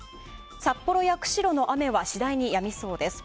札幌や釧路の雨は次第にやみそうです。